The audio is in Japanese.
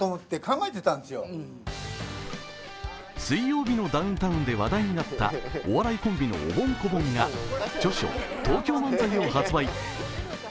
「水曜日のダウンタウン」で話題になったお笑いコンビのおぼん・こぼんが著書「東京漫才」を発売。